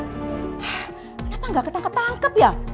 kenapa gak ketangkap tangkap ya